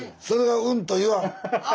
それが「うん」と言わん。